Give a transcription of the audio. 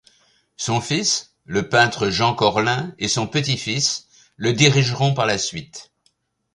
Son fils, le peintre Jean Corlin, et son petit-fils le dirigeront par la suite.